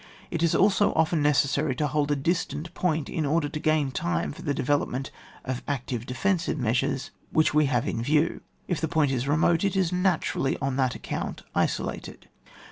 It is also often necessary to hold a distant point, in order to gain time for the develop ment of active defensive meaures which we have in view. If the point is remote, 'it is naturally on that account isolated.